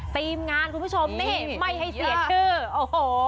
ทีมงานคุณผู้ชมนี่ไม่ให้เสียชื่อโอ้โห